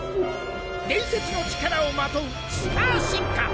伝説の力をまとうスター進化。